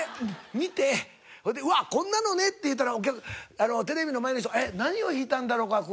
見てほんでうわっこんなのねって言うたらテレビの前の人えっ何を引いたんだろうか黒柳さん。